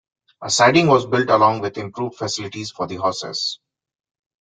A siding was built along with improved facilities for the horses.